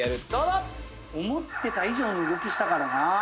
ＶＴＲどうぞ！思ってた以上の動きしたからな。